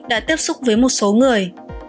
đã tiếp xúc với một số người